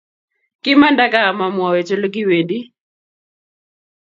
Kimanda gaa amamwoche olekiwendii